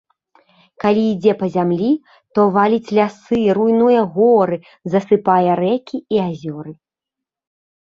Калі ідзе па зямлі, то валіць лясы, руйнуе горы, засыпае рэкі і азёры.